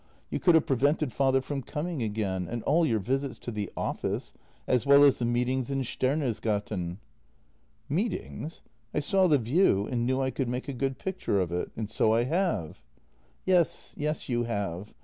You could have prevented father from coming again, and all your visits to the office — as well as the meetings in Stenersgate." " Meetings? — I saw the view and knew I could make a good picture of it — and so I have." " Yes, yes, you have.